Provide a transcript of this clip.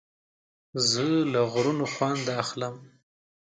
زه له غرونو خوند اخلم.